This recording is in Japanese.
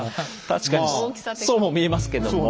確かにそうも見えますけども。